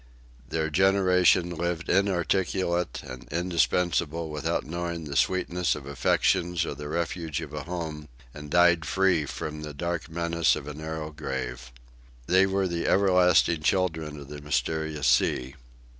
Their generation lived inarticulate and, indispensable, without knowing the sweetness of affections or the refuge of a home and died free from the dark menace of a narrow grave. They were the everlasting children of the mysterious sea.